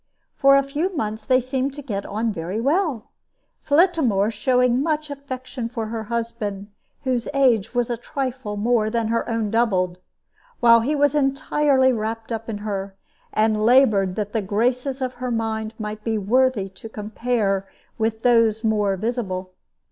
For a few months they seemed to get on very well, Flittamore showing much affection for her husband, whose age was a trifle more than her own doubled, while he was entirely wrapped up in her, and labored that the graces of her mind might be worthy to compare with those more visible.